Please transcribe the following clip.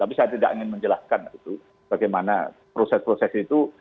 tapi saya tidak ingin menjelaskan bagaimana proses proses itu